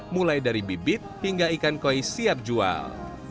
mulai dari bibit hingga ikan koi siap jual